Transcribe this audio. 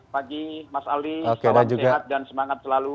pagi mas ali salam sehat dan semangat selalu